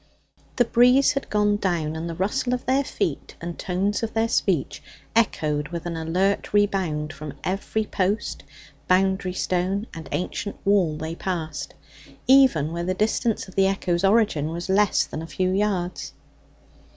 The breeze had gone down, and the rustle of their feet and tones of their speech echoed with an alert rebound from every post, boundary stone, and ancient wall they passed, even where the distance of the echo's origin was less than a few yards.